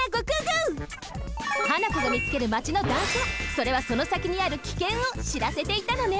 それはそのさきにある危険を知らせていたのね。